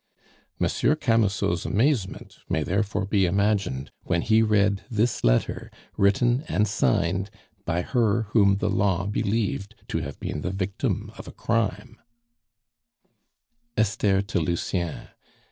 Monsieur Camusot's amazement may therefore be imagined when he read this letter written and signed by her whom the law believed to have been the victim of a crime: "Esther to Lucien.